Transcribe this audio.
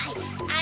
あ！